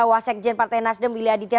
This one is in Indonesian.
wasek jen partai nasdem wili aditya